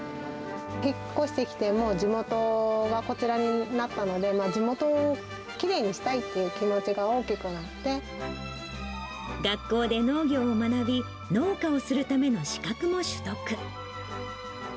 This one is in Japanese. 引っ越ししてきて、もう地元はこちらになったので、地元をきれいにしたいっていう気学校で農業を学び、農家をするための資格も取得。